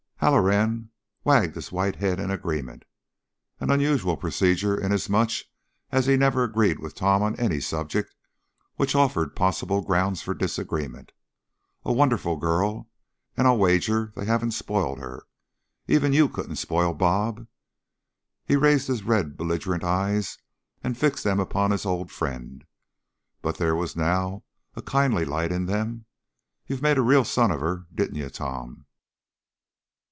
Halloran wagged his white head in agreement, an unusual procedure, inasmuch as he never agreed with Tom on any subject which offered possible ground for disagreement. "A wonderful girl! And I'll wager they haven't spoiled her. Even you couldn't spoil 'Bob.'" He raised his red, belligerent eyes and fixed them upon his old friend, but there was now a kindly light in them. "You made a real son of her, didn't you, Tom?"